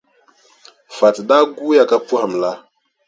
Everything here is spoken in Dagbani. Fati daa guuya ka pɔhim la,